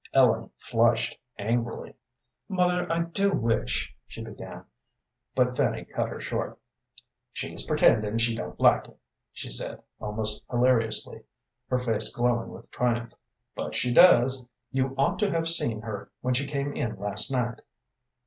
Ellen flushed angrily. "Mother, I do wish " she began; but Fanny cut her short. "She's pretendin' she don't like it," she said, almost hilariously, her face glowing with triumph, "but she does. You ought to have seen her when she came in last night."